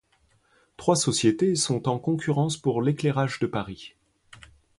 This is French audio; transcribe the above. Trois sociétés sont en concurrence pour l'éclairage de Paris.